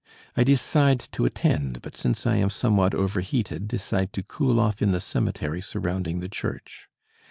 I decide to attend, but since I am somewhat overheated, decide to cool off in the cemetery surrounding the church.